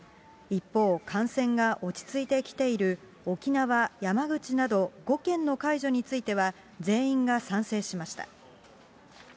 一方、感染が落ち着いてきている沖縄、山口など、５県の解除については、全員が賛成しました。